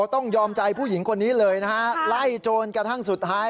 ต้องยอมใจผู้หญิงคนนี้เลยนะฮะไล่โจรกระทั่งสุดท้าย